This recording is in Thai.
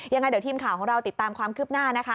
ยังไงเดี๋ยวทีมข่าวของเราติดตามความคืบหน้านะคะ